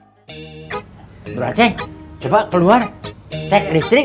hai berace coba keluar cek listrik